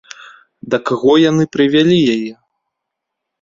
Да каго яны прывялі яе?